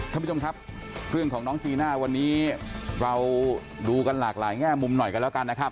จริงแล้วจริงแล้ววันนี้เราดูกันหลากหลายแง่มุมหน่อยกันแล้วกันนะครับ